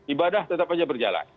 ibadah tetap aja berjalan